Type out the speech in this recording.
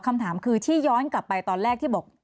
คำถามคือที่ย้อนกลับไปตอนแรกที่บอก